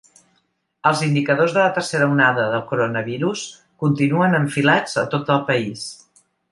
Els indicadors de la tercera onada del coronavirus continuen enfilats a tot el país.